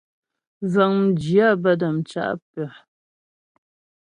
Vəŋ mjyə̂ bə́ dəmcá pə́.